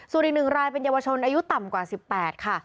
ส่วนอีก๑รายเป็นเยาวชนอายุต่ำกว่า๑๘ค่ะ